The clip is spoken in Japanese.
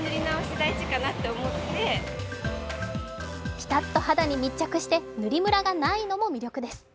ピタッと肌に密着して、塗りむらがないのも魅力です。